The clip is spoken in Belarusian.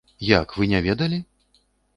Як, вы не ведалі?